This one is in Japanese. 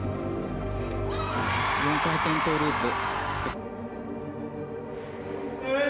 ４回転トウループ。